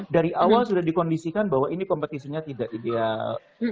dari awal sudah dikondisikan bahwa ini kompetisinya tidak ideal